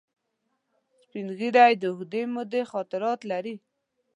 سپین ږیری د اوږدې مودې خاطرات لري